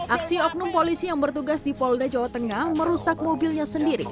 aksi oknum polisi yang bertugas di polda jawa tengah merusak mobilnya sendiri